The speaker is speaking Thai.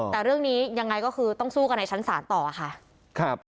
แต่เรื่องนี้ยังไงก็คือต้องสู้กันในชั้นศาลต่อค่ะ